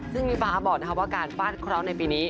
ซึ่งมีฟ้าบอกว่าการฟาดเคราะห์ในปีนี้